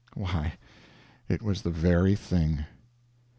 Why, it was the very thing.